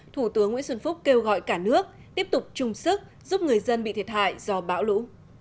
thủ tướng nguyễn xuân phúc kêu gọi cả nước tiếp tục chung sức giúp người dân bị thiệt hại do bão lũ